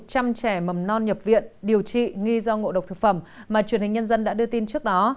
chính quan đến vụ việc hơn một trăm linh trẻ mầm non nhập viện điều trị nghi do ngộ độc thực phẩm mà truyền hình nhân dân đã đưa tin trước đó